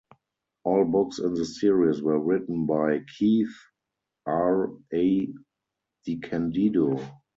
All books in this series were written by Keith R. A. DeCandido.